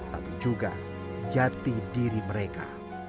tapi juga jati diri mereka